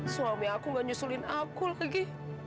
suami aku gak nyusulin aku lagi